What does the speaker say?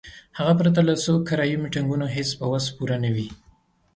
هغه پرته له څو کرایي میټینګونو هیڅ په وس پوره نه وي.